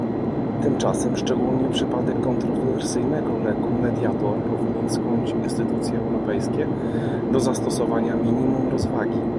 Tymczasem szczególnie przypadek kontrowersyjnego leku "Mediator" powinien skłonić instytucje europejskie do zastosowania minimum rozwagi